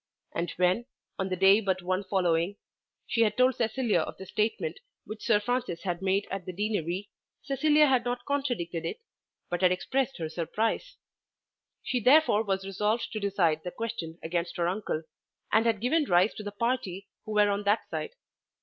And when, on the day but one following, she had told Cecilia of the statement which Sir Francis had made at the Deanery, Cecilia had not contradicted it, but had expressed her surprise. She therefore had resolved to decide the question against her uncle, and had given rise to the party who were on that side.